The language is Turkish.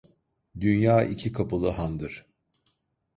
Dünya iki kapılı handır.